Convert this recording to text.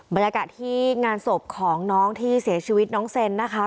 บรรยากาศที่งานศพของน้องที่เสียชีวิตน้องเซนนะคะ